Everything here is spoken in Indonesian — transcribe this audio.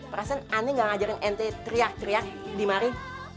perasaan aneh ga ngajarin aneh teriak teriak di mari